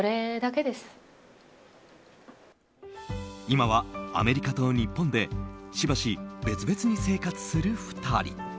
今はアメリカと日本でしばし別々に生活する２人。